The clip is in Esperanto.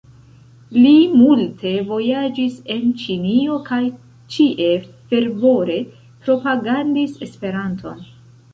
Li multe vojaĝis en Ĉinio kaj ĉie fervore propagandis Esperanton.